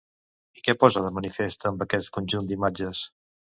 I què posa de manifest amb aquest conjunt d'imatges?